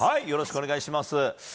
よろしくお願いします。